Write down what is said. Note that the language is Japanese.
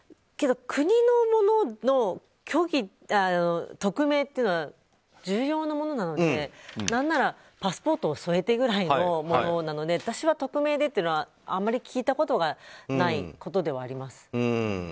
国のものの匿名っていうのは重要なものなので何なら、パスポートを添えてぐらいのものなので私は匿名でっていうのはあまり聞いたことがないことではあります。